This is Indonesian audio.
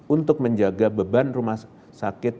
untuk menjaga beban rumah sakit